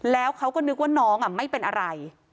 แล้วเขาก็นึกว่าน้องไม่เป็นอะไร